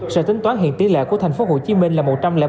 sẽ tính toán hiện tỷ lệ của tp hcm là một trăm linh bốn năm